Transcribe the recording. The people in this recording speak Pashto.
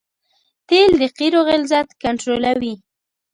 تیل د قیرو غلظت کنټرولوي